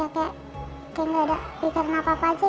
ya kayak nggak ada pikiran apa apa aja gitu